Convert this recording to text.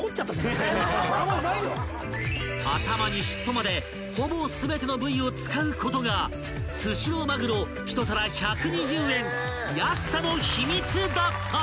［頭にしっぽまでほぼ全ての部位を使うことがスシローまぐろ１皿１２０円安さの秘密だった！］